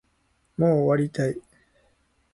もう終わりたい